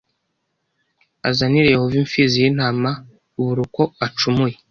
azanire Yehova imfizi y intama buruko acumuye